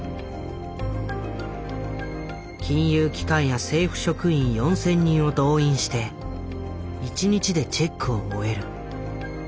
金融機関や政府職員４，０００人を動員して１日でチェックを終える。